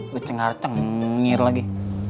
lu cengar cengir lagi